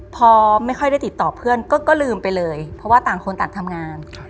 พอไม่ค่อยได้ติดต่อเพื่อนก็ลืมไปเลยเพราะว่าต่างคนต่างทำงาน